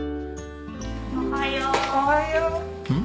おはよう。